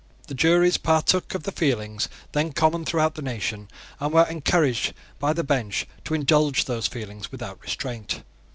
The juries partook of the feelings then common throughout the nation, and were encouraged by the bench to indulge those feelings without restraint.